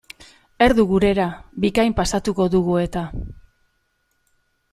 Erdu gurera bikain pasatuko dugu eta.